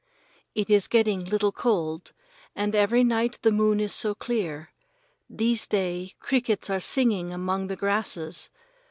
It is getting little cold, and every night the moon is so clear. These day crickets are singing among the grasses.